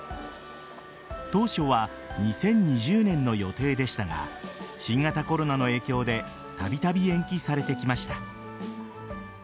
当初は２０２０年の予定でしたが新型コロナの影響でたびたび延期されてきました。